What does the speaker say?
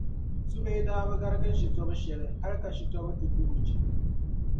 Subee daa bi garigi Shitobu shɛli hali ka Shitobu ti guhi o je.